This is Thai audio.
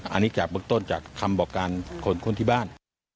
อันนี้จากเบื้องต้นจากคำบอกการขนคนที่บ้าน